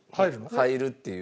入るっていう。